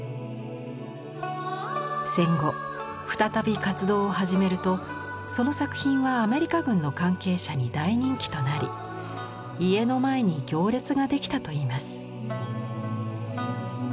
戦後再び活動を始めるとその作品はアメリカ軍の関係者に大人気となり家の前に行列ができたといいます。